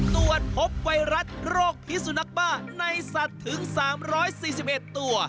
ตรวจพบไวรัสโรคพิสุนักบ้าในสัตว์ถึง๓๔๑ตัว